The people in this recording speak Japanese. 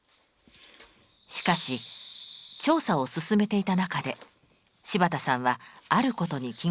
しかし調査を進めていた中で柴田さんはあることに気が付いたのです。